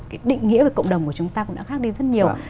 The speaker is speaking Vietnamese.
cái định nghĩa về cộng đồng của chúng ta cũng đã khác đi rất nhiều